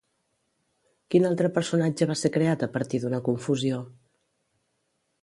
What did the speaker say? Quin altre personatge va ser creat a partir d'una confusió?